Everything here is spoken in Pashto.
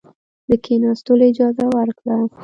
د کښېنستلو اجازه ورکړه.